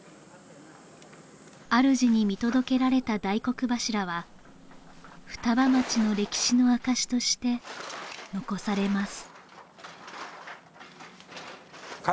あるじに見届けられた大黒柱は双葉町の歴史の証しとして残されます